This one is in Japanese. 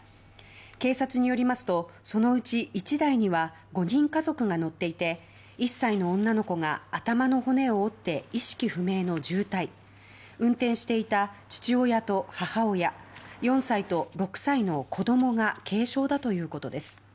警察によりますとそのうち１台には５人家族が乗っていて１歳の女の子が頭の骨を折って意識不明の重体運転していた父親と母親４歳と６歳の子供が軽傷だということです。